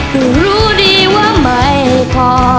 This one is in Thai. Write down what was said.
ถึงรู้ดีว่าไม่พอ